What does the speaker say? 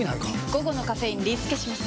午後のカフェインリスケします！